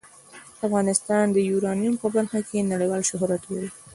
افغانستان د یورانیم په برخه کې نړیوال شهرت لري.